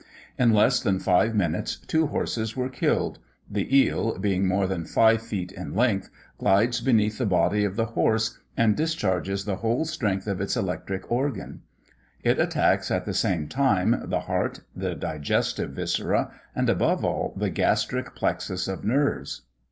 In less than five minutes, two horses were killed: the eel, being more than five feet in length, glides beneath the body of the horse, and discharges the whole strength of its electric organ; it attacks at the same time the heart, the digestive viscera, and above all, the gastric plexus of nerves.